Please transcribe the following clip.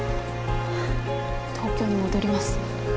東京に戻ります。